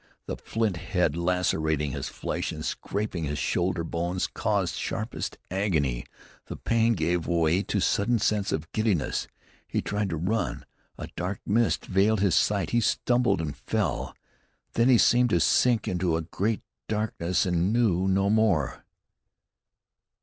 The flint head lacerating his flesh and scraping his shoulder bones caused sharpest agony. The pain gave away to a sudden sense of giddiness; he tried to run; a dark mist veiled his sight; he stumbled and fell. Then he seemed to sink into a great darkness, and knew no more.